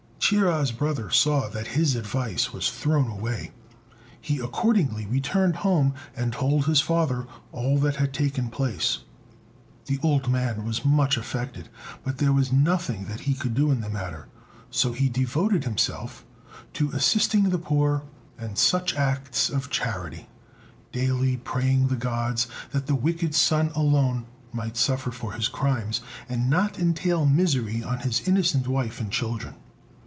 Chia's brother saw that his advice was thrown away; he accordingly returned home and told his father all that had taken place. The old man was much affected, but there was nothing that he could do in the matter, so he devoted himself to assisting the poor, and such acts of charity, daily praying the Gods that the wicked son alone might suffer for his crimes, and not entail misery on his innocent wife and children.